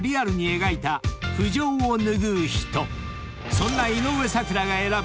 ［そんな井上咲楽が選ぶ